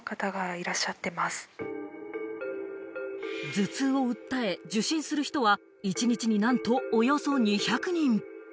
頭痛を訴え受診する人は、一日になんとおよそ２００人。